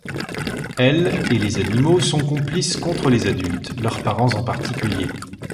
Elles et les animaux sont complices contre les adultes, leurs parents en particulier.